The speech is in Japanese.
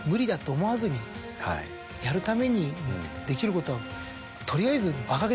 やるためにできることは取りあえず。